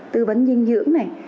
tư vấn dinh dưỡng này